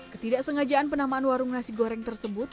ketidaksengajaan penamaan warung nasi goreng tersebut